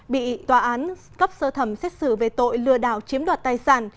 bị tòa án cấp sơ thẩm xét xử về tội lừa đảo chiếm đoạt tài sản